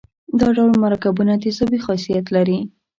دا ډول مرکبونه تیزابي خاصیت لري.